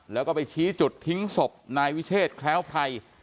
แล้วก็ไปชี้จุดทิ้งศพนายวิเชษแคล้วไพร